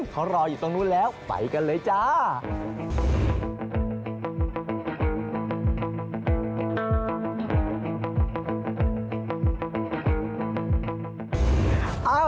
เขารออยู่ตรงนู้นแล้วไปกันเลยจ้า